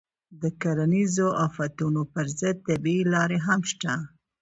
د کرنیزو آفتونو پر ضد طبیعي لارې هم شته دي.